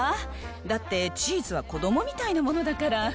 だってチーズは子どもみたいなものだから。